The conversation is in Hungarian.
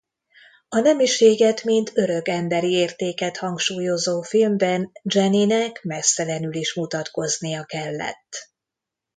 A nemiséget mint örök emberi értéket hangsúlyozó filmben Jennynek meztelenül is mutatkoznia kellett.